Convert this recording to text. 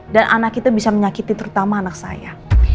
dan anak itu bisa menyakiti terutama anak saya